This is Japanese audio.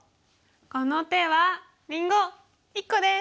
この手はりんご１個です！